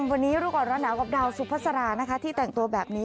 วันนี้รู้ก่อนร้อนหนาวกับดาวสุภาษานะคะที่แต่งตัวแบบนี้